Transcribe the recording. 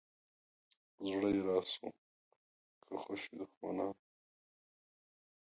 زړه یې راسو کا خوشي دښمنان.